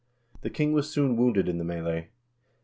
The king was soon wounded in the melee.